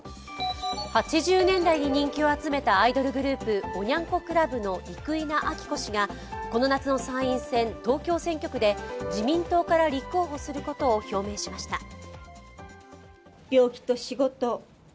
８０年代に人気を集めたアイドルグループ、おニャン子クラブの生稲晃子氏がこの夏の参院選・東京選挙区で自民党から立候補することを表明しました。